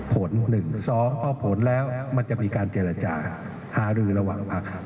ผลหนึ่งสองพอผลแล้วมันจะมีการเจรจาฮารือระหว่างภักด์